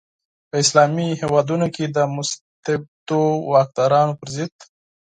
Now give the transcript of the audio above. په اسلامي هیوادونو کې د مستبدو واکدارانو پر ضد.